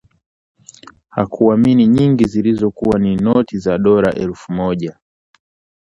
Hakuamini! Nyingi zilikuwa ni noti za dola elfu moja